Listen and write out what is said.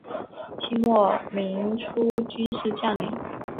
清末民初军事将领。